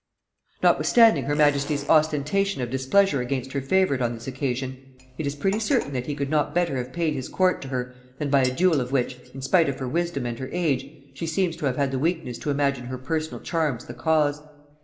] Notwithstanding her majesty's ostentation of displeasure against her favorite on this occasion, it is pretty certain that he could not better have paid his court to her than by a duel of which, in spite of her wisdom and her age, she seems to have had the weakness to imagine her personal charms the cause.